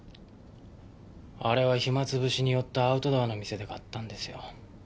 あれは暇潰しに寄ったアウトドアの店で買ったんですよ。